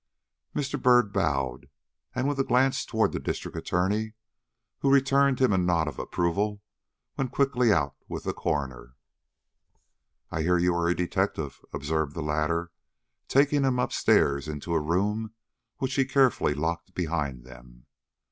Mr. Byrd bowed, and with a glance toward the District Attorney, who returned him a nod of approval, went quickly out with the coroner. "I hear you are a detective," observed the latter, taking him up stairs into a room which he carefully locked behind them.